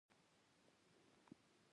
ریاء او تظاهر نه وفا لري نه بقاء!